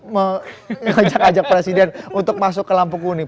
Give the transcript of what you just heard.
mengajak ajak presiden untuk masuk ke lampu kuning